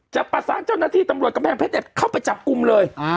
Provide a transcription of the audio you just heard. จะประสานเจ้าหน้าที่ตำรวจกำแพงเพชรเข้าไปจับกลุ่มเลย